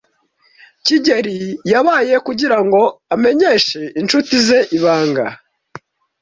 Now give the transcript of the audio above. kigeli yabaye kugirango amenyeshe inshuti ze ibanga.